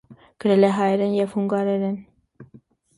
Գրել է հայերեն և հունգարերեն։